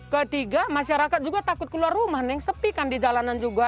ketiga masyarakat juga takut keluar rumah nih sepi kan di jalanan juga